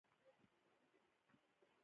نو ویلای شو چې ټول انسانان برابر حقوق لري.